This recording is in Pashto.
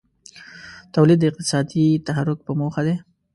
تولید د اقتصادي تحرک په موخه دی.